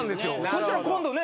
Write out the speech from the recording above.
そしたら今度ね